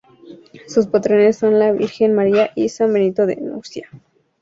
Sus patronos son la Virgen María y San Benito de Nursia.